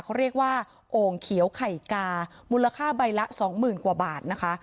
เขาเรียกว่าโอ่งเขียวไข่กามูลค่าใบละสองหมื่นกว่าบาทนะคะ